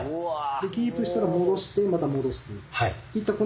でキープしたら戻してまた戻す。